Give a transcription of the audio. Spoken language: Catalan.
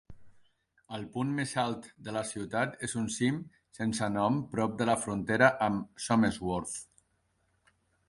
El punt més alt de la ciutat és un cim sense nom prop de la frontera amb Somersworth.